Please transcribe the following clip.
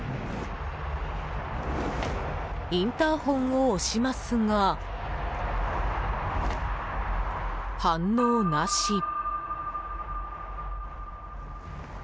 インターホンを押しますが反応なし。